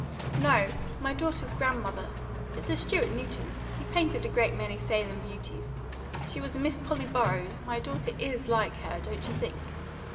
"No; my daughter's grandmother. It's a Stewart Newton; he painted a great many Salem beauties. She was a Miss Polly Burroughs. My daughter IS like her, don't you think?"